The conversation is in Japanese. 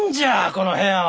この部屋は！